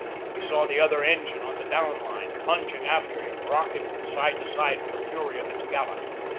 He saw the other engine on the down line, plunging after him, rocking from side to side with the fury of its gallop.